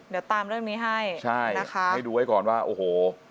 เดี๋ยวตามเรื่องนี้ให้ใช่นะคะให้ดูไว้ก่อนว่าโอ้โห